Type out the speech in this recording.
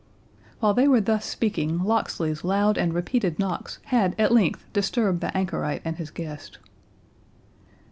While they were thus speaking, Locksley's loud and repeated knocks had at length disturbed the anchorite and his guest.